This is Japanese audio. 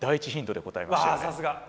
さすが！